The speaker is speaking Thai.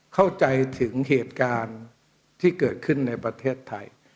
เข้าใจถึงเหตุการณ์ที่เกิดขึ้นในประเทศไทย